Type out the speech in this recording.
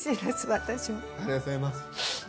私もありがとうございます